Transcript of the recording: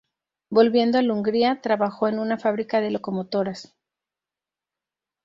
Volviendo al Hungría, trabajó en una fábrica de locomotoras.